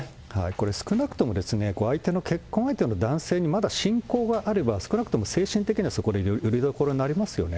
これ、少なくとも相手の、結婚相手の男性に信仰があれば、少なくとも精神的には心のよりどころになりますよね。